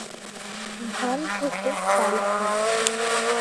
ধান থেকে চাল হয়।